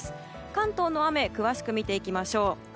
関東の雨詳しく見ていきましょう。